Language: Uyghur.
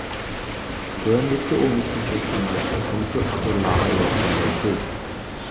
تۆۋەندىكى ئۇلىنىشنى چەكسىڭىز تېخىمۇ كۆپ ئۇچۇرلارغا ئېرىشەلەيسىز.